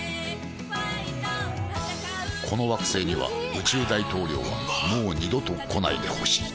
この惑星には宇宙大統領はもう二度と来ないでほしい虹！